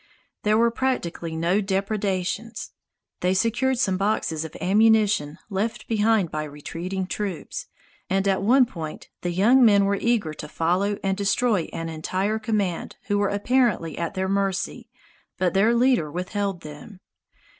There were practically no depredations. They secured some boxes of ammunition left behind by retreating troops, and at one point the young men were eager to follow and destroy an entire command who were apparently at their mercy, but their leader withheld them.